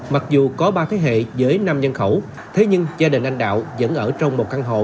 mặc dù có ba thế hệ với năm nhân khẩu thế nhưng gia đình anh đạo vẫn ở trong một căn hộ